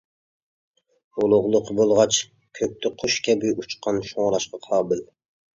ئۇلۇغلۇقى بولغاچ كۆكتە قۇش كەبى ئۇچقان، شۇڭلاشقا قابىل.